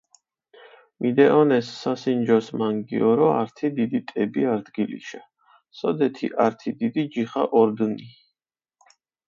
მიდეჸონეს სასინჯოშ მანგიორო ართი დიდი ტები არდგილიშა, სოდეთი ართი დიდი ჯიხა ორდჷნი.